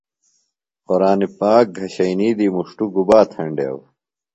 قُرآنی پاک گھشئینی دی مُݜٹوۡ گُباتھینڈیو؟